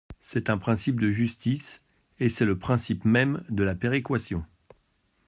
C’est un principe de justice, et c’est le principe même de la péréquation.